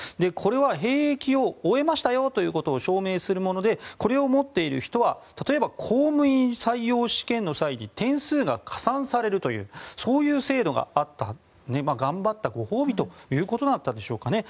これは兵役を終えましたよということを証明するものでこれを持っている人は例えば公務員採用試験の際に点数が加算されるというそういう制度があった頑張ったご褒美ということだったんでしょうか。